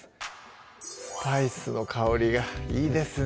スパイスの香りがいいですね